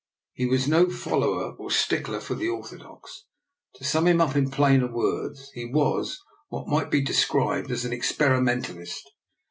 He was no follower or stickler for the orthodox; to sum him up in plainer words, he was what might be de scribed as an experimentalist.